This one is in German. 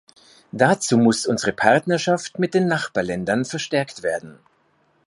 Dazu muss unsere Partnerschaft mit den Nachbarländern verstärkt werden.